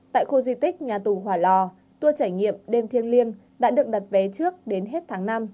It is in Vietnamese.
tại khu di tích nhà tù hòa lò tour trải nghiệm đêm thiêng liêng đã được đặt vé trước đến hết tháng năm